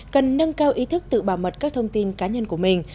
cần nâng cao ý thức tự bảo mật các thông tin cá nhân của mình